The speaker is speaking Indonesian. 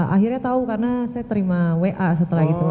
akhirnya tahu karena saya terima wa setelah itu